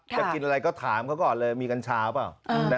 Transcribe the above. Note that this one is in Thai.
กินอะไรก็ถามเขาก่อนเลยมีกัญชาเปล่า